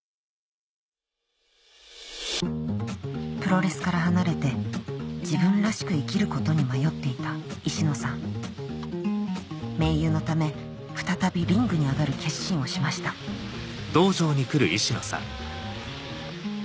プロレスから離れて自分らしく生きることに迷っていた石野さん盟友のため再びリングに上がる決心をしましたおはようございます。